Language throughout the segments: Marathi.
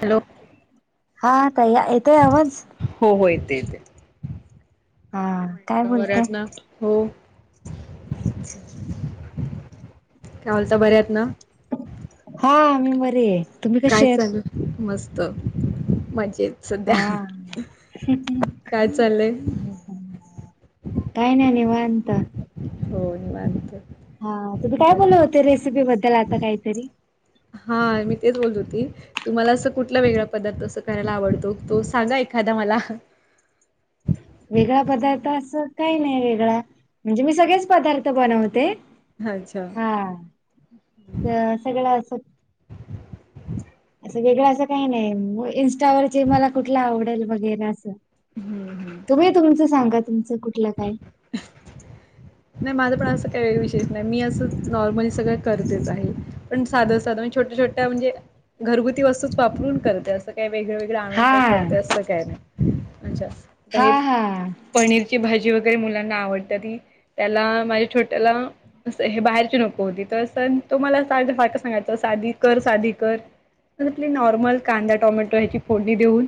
हॅलो हा त येतोय आवाज. हो हो येते येते हा काय मा बोलताय बऱ्यात ना. हो कावल तर बऱ्यात ना. हा मी बरी आहे. तुम्ही काय कशी आहेत चालू मस्त मजेत. सध्या हा काय चाललंय. हम् ह काय नाही निवांत. हो निवांत. हा तुम्ही काय बोल बरं होते रेसिपी बद्दल आता काहीतरी. हा मी तेच बोलत होती. तुम्हाला अस कुठला वेगळा पदार्थ अस करायला आवडतो तो सांगा एखादा मला. वेगळा पदार्थ असं काही नाही वेगळा म्हणजे मी सगळेच पदार्थ बनवते. अच्छा. हा सगळं अस. असं वेगळं असं काही नाही इं्स्टावरचे मला कुठलं आवडेल वगैरे असं. हम्म हम्म तुम्ही तुमचं सांगा तुमचं कुठलं काय. [unintelligible] नाही माझं पण असं काही वेगळ विशेष नाही मी असं नॉर्मली सगळं करतेच आहे. पण साधं साधं म्हण छोट्या छोट्या म्हणजे घरगुती वस्तूच वापरून करते असं. काही वेगळं वेगळं आणून हा काही करत असं काय नाही म्हणज आता हा हे. हा पनीरची भाजी वगैरे मुलांना आवडत ती त्याला माझ्या छोट्याला असं हे बाहेरची नको होती तर तो मला फारका सांगायचं साधी कर साधी कर आपली नॉर्मल कांदा टोमॅटो ह्याची फोडणी देऊन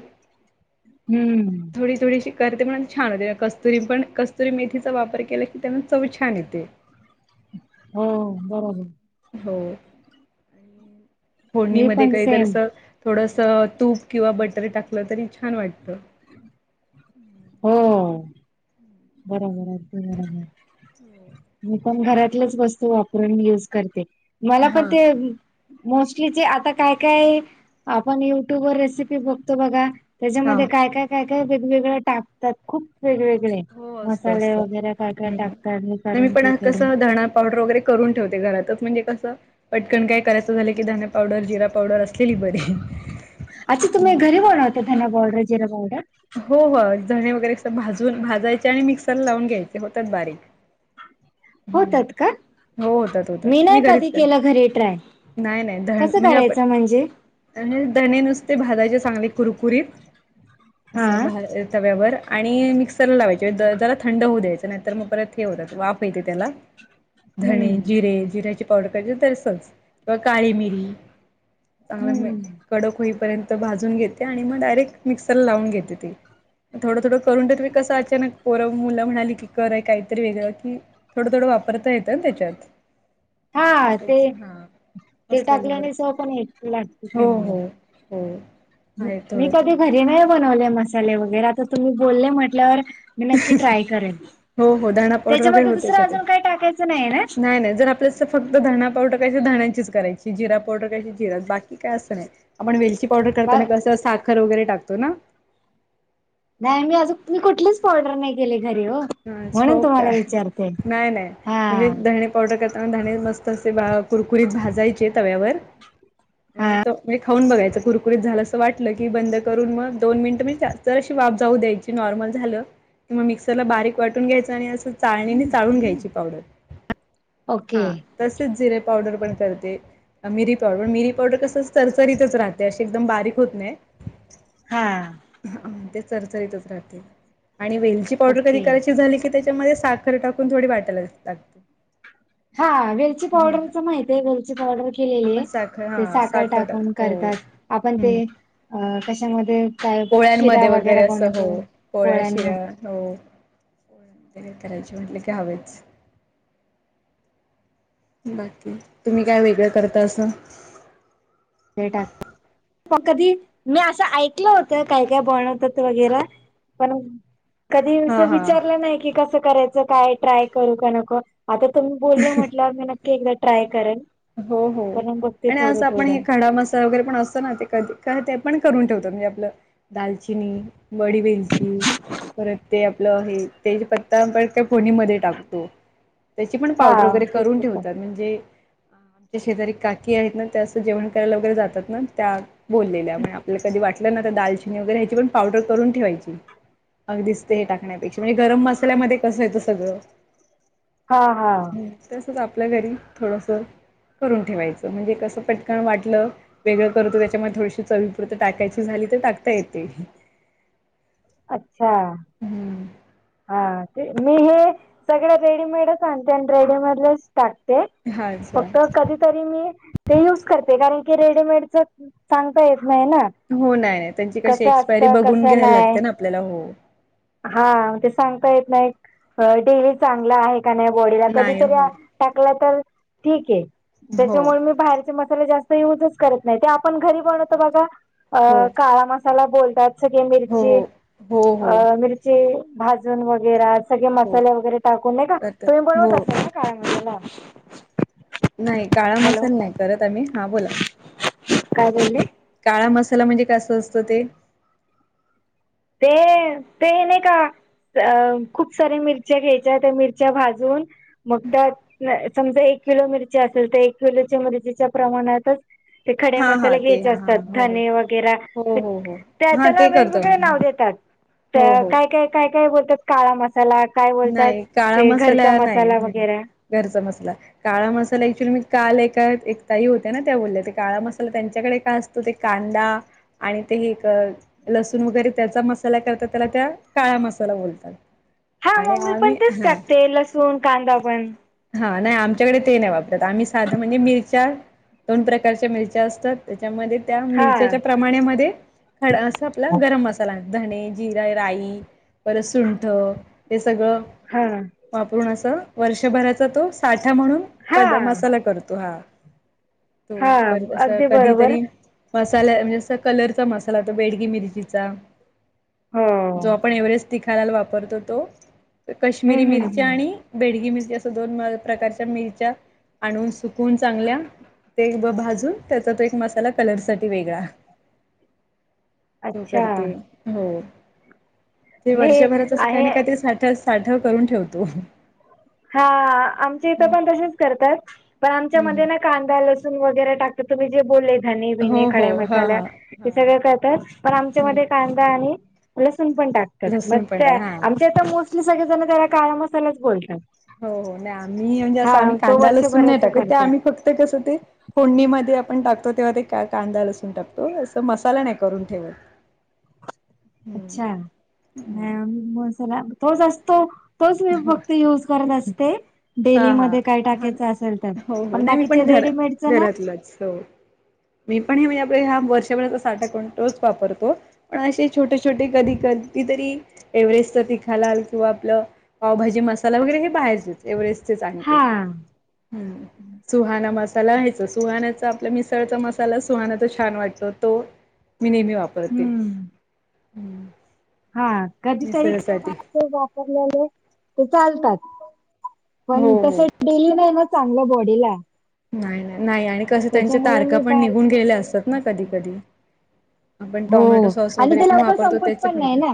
हम्म. थोडी थोडीशी करते म्हण छान होते कस्तुरी पण कस्तुरी मेथीचा वापर केला त्याण चव छान येते. हो बरोजर. हो आणि मी फडणीमध्ये पण काही तर सेम अस, थोडंसं तूप किंवा बटरी टाकलं तरी छान वाटतं. हो बरोबर आगदी बरोबर. पण घरातलेच वस्तू वापरूनी युज करते मला हा पण ते, मोस्टली ज आता काय काय आपण युट्यूब वर रेसिपी बघतो बघा. हा त्याच्यामध्ये काय काय काय काय वेगवेगळे टाकतात खूप वेगवेगळे हाय. हो असत असत हे नाही मी करून ते पण कस करून धणा पावडर वगैरे करून ठेवते घरातच म्हणजे कसं पटकन काय करायचं झालं की धान पावडर जिरा पावडर असलेली बर अच्छा तुम्ही घरी बणार होता धना पावडर जिरा पावडर हो हो जणे वगैरे अस भाजून भाजायचे आणि मिक्सरला लावून घ्यायचे होतात बारीक [inaudible] होतात का हो होतात होतात मी नाही घरीच कधी कर केलं घरी ट्राय नाही नाही धण कसं म्हणजे आपण करायचं म्हणजे आणि धणे नुसते भाजाचे चांगले कुरकुरीत हा असं तव्यावर आणि मिक्स स लावायची जला थंड होऊ द्यायच नाही तर मग परत हे होत वाफ येते त्याला धणे हम्म जिरे जिऱ्याची पावडर करायची तरसच किंवा काळी मिरी चांगलं हम्म कडक होईपर्यंत भाजून घेते आणि मग डायरेक्ट मिक्सर लावून घेते ती थोडं थोडं करून देत मी कसं अचानक पोरं मुलं म्हणाली की करय काहीतरी वेगळं की थोडं थोडं वापरता येतं ना त्याच्यात हा ते लगेच हा ते असलेलं होय टाकल्याने चव पण एक लागते हो चांगली हो हो आहे मी थोडं कधी थोडं घरी नाही बनवले मसाले वगैरे आता तुम्ही बोलले म्हटल्यावर मी नक्की ट्राय करेन हो हो धणा पावडर वगैरे त्याच्यामध्ये होते दुसरं त्याच्यात. अजून काही टाकायचं नाही ना नाही जर आपल्या फक्त धणा पावडर कश धण्याचीच करायची जिरा पावडर कशी जिरा बाकी काय असं नाही आपण वेलची पावडर बा करताना कसं साखर वगैरे टाकतो ना नाही मी अज मी कुठलीच पॉर्डर नाही केले घरी हो हा म्हणून छो का तुम्हाला विचारते नाही नाही हा म्हणजे धणे पावडर करताना धणे मस्त असे कुरकुरीत भाजायचे तव्यावर म्ह हा त म खाऊन बघायचं कुरकुरीत झालं असं वाटलं की बंद करून मग दोन मिनिटं मी तर अशी वाफ जाऊ द्यायची नॉर्मल झालं मिक्सरला बारीक वाटून घ्यायच आणि असं चाळणीने चाळून घ्यायची पावडर ओके हा तसेच जिरे पावडर पण करते मिरी पावडर मिरी पावडर कसं तररसरीतच राहते अशी एकदम बारीक होत नाही हा ते चरचरीतच राह आणि वेलची पावडर कधी ओके करायची झाली की त्याच्यामध्ये साखर टाकून थोडी वाटायला लागते हा वेलची हम्म पावडरच माहितय वेलची पावडर आपण केलेली साखर ते हा साखर टाक टाकून हो. करतात आपण हम्म ते कशामध्ये काय शिरा पोळ्यांमध्ये वगैरे असं हो बनवतो पोळ्या शिरा्या पोळ्यांमध्ये हो त करायचे म्हटले की हवेच बाकी तुम्ही काय वेगळं करता असं तेटा मग कधी मी असं ऐकलं होतं काय काय बणवत वगैरे पण कधी अस हा हा विचारलं नाही की कसं करायचं काय ट्राय करू का नको आता तुम्ही बोलले म्हटलं मी नक्की एकदा ट्राय करेन हो हो कारण बघते आणि थोडं असं आपण हे थोडं ख डा मसाला वगैरे पण असतो ना ते कधी ते पण करून ठेवतो म्हणजे आपलं दालचिनी मडीवेेलची परत ते आपलं आहे त्या पत्ता आपण त्या फोणीमध्ये टाकतो त्याची पण हा पावडर वगैरे करून तेच ठेवतात म्हणजे ज शेजारी काकी आहेत ना त्या असं जेवण करायला वगैरे जातात ना त्या बोललेल्या आपल्याला कधी वाटलं ना तर दालचिनी वगैरे ह्याची पण पावडर करून ठेवायची अगदीचत हे टाकण्यापेक्षा म्हणजे गरम मसाल्यामध्ये कसं येत सगळं हा हा ् तसच आपल्या घरी थोडस करून ठेवायचं म्हणजे कसं पटकन वाटलं वेगळं करतो त्याच्यामध्ये थोडीशी चवी पुुरत टाकायची झाली तर टाकता येते अच्छा हा ते मी हे सगळ रेडीमेडच आणते आणि रेडीमेडला टाकते हा अच्छा फक्त कधीतरी मी ते युज करते कारण की रेडीमेडच सांगता येत नाही ना हो नाही नाही त्यांची कशी कसं एक्सपायरी बघून घ्यायला लागते ना आपल्याला हो हाे सांगता येत नाही डेली चांगला आहे बॉडीला कधी नाही हो टाकला तर ठीक आहे हो त्याच्यामुळे मी बाहेर मत जास्त यजच करत नाही आपण घरी बनत बघा हो काळा मसाला बोलतात स हो हो मिरची हो हो अ मिरची भाजून वगैर हो मसाले वगैरे टाकून का करतात तुम्ही हो बनवत असाल काला नाही काळा मसाला नाही करत आम्ही हा बोला काय बोलली काळा मसाला म्हणजे कस असतं ते ते ते नाही का अ खूप सऱ्या मिरच्या घ्यायच्या त्या मिरच्या भाजून मग त्यात समजा एक किलो मिरची असेल तर एक किलोच्या मिरचीच्या प्रमाणातच ते खडे हा हा मसाले ते घ्यायचे हा हा असतात हो धने वगै हो हो हो हो त्या हा त्याला ते करतो वेगवेगळ्या आम्ही नाव काय हो हो काय काय काय बोलात काळा मा मसाला काय बोलतात नाही काळा ते घरचा मसाला नाही मसाला नाही वगैरे घरचा मसला काळा मसाला क्च्युली मी कालका एकताही होत्या ना त्या बोलल्या काळा मसाला त्यांच्याकडे का असत तु ते कांदा आणि ते एक लसूण वगैरे त्याचा मसाला करतात त्याला त्या काळा मसाला बोलतात हा आणि मम्मी पण आम्ही तेच हा टाकते लसूण कांदा पण हा नाही आमच्याकडे ते नाही वापरत आम्ही साधं म्हणजे मिरच्या दोन प्रकारच्या मिरच्या असतात त्याच्यामध्ये त्या हा मिरच्याच्या प्रमाणामध्ये खड अस आपला गरम मसाला धणे जिरा राई परत सुंठ हे सगळं हा वापरून असं वर्षभराचा तो साठा म्हणून प हा मसाला करतो हा तो हा परस अगदी बरोबर कधीतरी मसाल्या म्हणजे अस कलरचा मसाला होता बेडगी मिरचीचा हो जो आपण एव्हरेस्ट तिखालाला वापरतो तो कश्मीिरी हम्म हम्म मिरच्या हम्म आणि बेडगी मिरची अस दोन प्रकारच्या मिरच्या आणून सुकून चांगल्या ते भाजून त्याचा तो एक मसाला कलर साठी वेगळा तू अच्छा करते हो ते मी वर्षभराच अस काही आहे नाही काय तर साठ साठव करून ठेवतो. हा आमच्या इथं हम्म पण तसेच करता पण आमच्या मध्ये नाही हम्म कांदा लसू न वगैरे टाकत तुम्ही जे बोले धनी बिनी हो हो खडे हा मसाल्या हा हा हे सगळ हम्म करतात पण आमच्यामध्ये कांदा आणि लसूून पण टाकतात मग लसूण पण टाक त्या हा हो आमच्या आता मोस्टली सगळे जण त्याला काळा मसालाच बोलतात. हो हो नाही आम्ही म्हणजे हा असं आम्ही तो कांदा लसून नाही वर्षभराचा टाकत त्या करतात आम्ही फक्त कसं ते फोडणीमध्ये आपण टाकतो तेव्हा ते कांदा लसुन टाकतो असं मसाला नाही करून ठेवत. [inaudible] अच्छा नाही हम्म आम्ही मसाला तोच असतो तोच मी फक्त युज करत असते हा हा डेलीमध्ये काय हा टाकायच आसल तर हो हो पण नाही मी बाकीचे घर रेडीमेट घरातलंच हो मी पण हे म्हणजे आप ह्या वर्षभराचा साठा कोण तोच वापरतो पण असे छोटे छोटे कधीकधी तरी एव्हरेस्ट तिखालाल किंवा आपलं पावभाजी मसाला वगैरे हे बाहेरचेच एव्हरेस्टचेच आणते हा हम्. सुहाणा मसाला ह्याच सुहाण्याचा आपला मिसळचा मसाला सुहाणचा छान वाटतो तो मी नेहमी वापरते हम्म हम्. हा कधीतरी काय [unintelligible] वापरलेले ते चालतात. हो पण तस हो डेली नाही ना चांगलं बॉडीला नाही नाही नाही आणि कस त्यांच्या त्याच्यामुळे तारखा मी पण निघून बाहेरचे गेलेल मसाले असतात नाही ना युज कधी करत. कधी. आपण टोमॅटो हो सॉस आणि वगैरे ते पण लवकर वापरतो संपत तेच पण मधे नाही बघा ना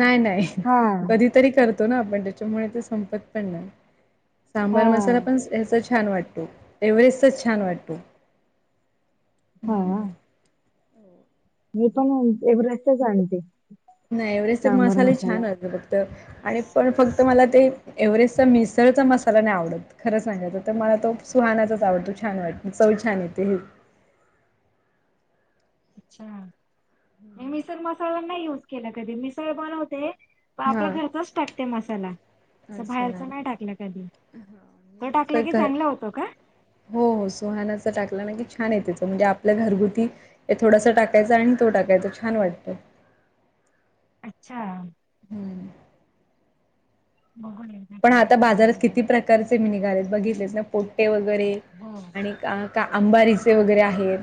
नाही नाही हा कधी तरी करतो ना आपण तेच्यामुळे ते संपत पण नाही हा सांबर मसाला पण [unintelligible] छान वाटत एव्हरेस्टच छान वाटते. हा. मी पण मग एव्हरेस्टचं आणते. नाही एव्हरेस्ट सांबर मसाले मसाला. छान असतात फक्त आणि पण फक्त मला ते एव्हरेस्टचा मिसळचा मसाला नाही आवडत. खरं सांगायचं तर मला तो सुहानाचाच आवडतो छान वाटत चव छान येते हे. हुं मिसळ मसाला नाही युज केला कधी मिसळ बनवते आपल्या हां घरचाच टाकते मसाला अस बाहेरच नाही टाकला कधी. हां तो मी टाकला असं की घ चांगला होतो का? हो हो सुहानाच टाकला ना की छान येते चव त्याच म्हणजे आपल्या घरगुती हे थोडासा टाकायचं आणि तो टाकायचा छान वाटतं. अच्छा हम्. [unintelligible] बघू [unintelligible] पण आता बाजारात किती प्रकारचे निघालेत बघितलेत ना पोट्टे वगैरे हो आणि का का आंबारीचे वगैरे आहेत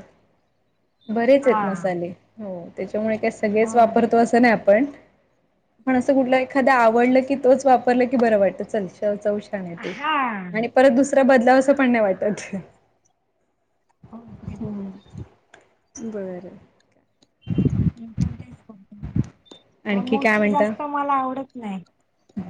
बरेच आहेत हा मसाले. हो त्याच्यामुळे काय हो सगळेच ना वापरतो असं नाही आपण पण असं कुठला एखादा आवडलं की तोच वापरलं की बरं वाटत चल चव छान येते हा आणि परत दुसरा बदलावस पण नाही वाटत. हो ते [unintelligible] हम्म बरं. पण आणखी काय मोस्टली हे आस म्हणता [unintelligible] मला आवडत नाही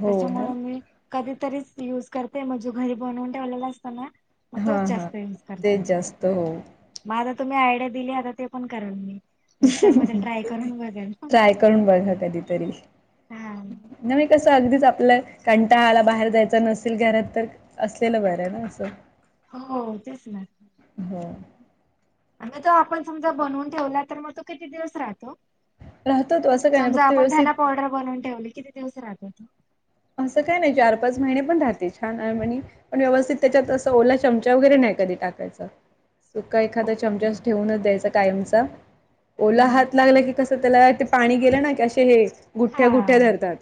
हो ना मी कधीतरीच युज करते म्हणजे घरी बनवून ठेवलेला असतो ना मग हा तोच हा जास्त युज तेच करते जास्त होऊ मग आता तुम्ही आयडिया दिलीया ना आता ते पण करल मी. मिक्सरमध्ये ट्राय करून बघेल ट्राय करून बघा कधीतरी. हा नवे कसं अगदीच आपलं कंटाळा आला बाहेर जायच नसेल घरात तर असलेलं बरं आहे ना असं. हो तेच ना हो [unintelligible] आणि आता तो जर आपण समजा बनवून ठेवला तर मग तो किती दिवस राहतो राहतो तो असं काय नाही समजा फक्त आपण त्याला व्यवस्थित पाऊडर बनवून ठेवले किती दिवस राहतो तो असं काय नाही चार पाच महिने पण राहते छान आणि म्ह पण व्यवस्थित त्याच्यात असं ओला चमचा वगैरे नाही कधी टाकायचं सुका एखादा्या चमचा अस हम्म. ठेवूनच द्यायचा कायमचा ओला हात लागला की कसं त्याला ते पाणी गेलं ना की असे हे गुठ्ठ्या हा गुठ्ठ्या हो धरतात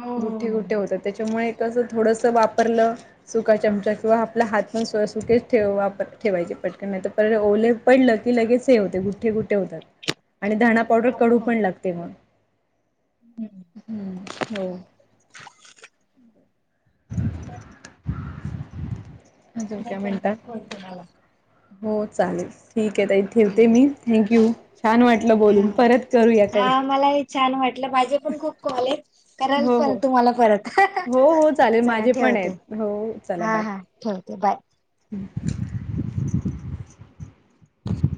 हो गुठे हो. गुठे होतात त्याच्यामुळे असं थोडंस वापरलं सुका चमचा किंवा आपला हात पण स् सुके ठे ठेवायचे पटकन नाही तर पड ओले पडल लगेच हे होते गुेठे गेठे होतात आणि पाऊडर कडू पण आपण लागते मग हो आणि काय म्हणता तुम्हाला हो चालेल ठीक आहे ताई ठेवते मी थँक्यू छान वाटलं हा बोलून परत करू याकडे हा मला हे छान वाटलं माझे पण खूप कॉलेज कराल हो पण हो तुम्हाला परत हो हो चालेल माझे पण आहेत हो चला बाय ते आहे बाय हम्म